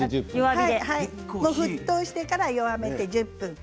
沸騰してから弱めて１０分。